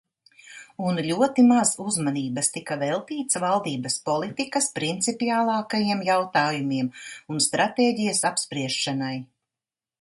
Un ļoti maz uzmanības tika veltīts valdības politikas principiālākajiem jautājumiem un stratēģijas apspriešanai.